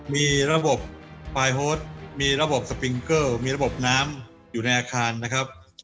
มีระบบปลายโฮสมีระบบสปิงเกิลมีระบบน้ำอยู่ในอาคารนะครับ